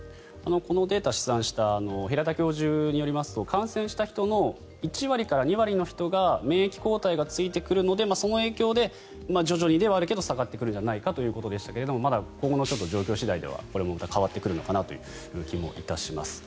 このデータを試算した平田教授によりますと感染した人の１割から２割の人が免疫抗体がついてくるのでその影響で徐々にではあるけど下がってくるんじゃないかということでしたがまだ今後の状況次第ではこれも変わってくる気がします。